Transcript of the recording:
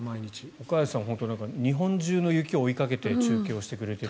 岡安さんは日本中の雪を追いかけて中継してくれている。